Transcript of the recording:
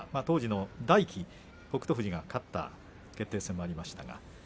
当時の大輝、北勝富士が勝った決定戦もありました。